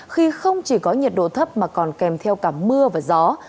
khi không chỉ có nhiệt độ thấp mà còn kèm theo cả mưa và gió